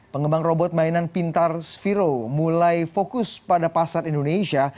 pengembang robot mainan pintar sphero mulai fokus pada pasar indonesia